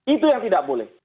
itu yang tidak boleh